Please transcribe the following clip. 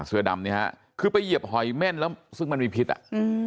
เสื้อดำเนี่ยครับคือไปเหยียบหอยเม่นซึ่งมันมีพิษอ่ะ